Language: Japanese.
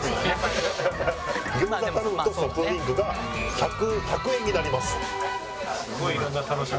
「餃子頼むとソフトドリンクが１００円になります」。